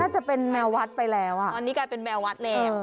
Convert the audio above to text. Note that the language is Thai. จะเป็นแมววัดไปแล้วตอนนี้กลายเป็นแมววัดแล้ว